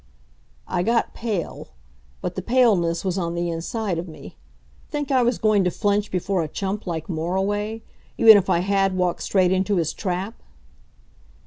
I got pale but the paleness was on the inside of me. Think I was going to flinch before a chump like Moriway, even if I had walked straight into his trap?